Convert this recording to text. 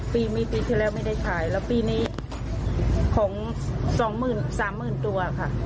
ปีที่แล้วไม่ได้ขายแล้วปีนี้ของ๒๐๐๐๐๓๐๐๐๐ตัว